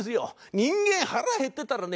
人間腹減ってたらね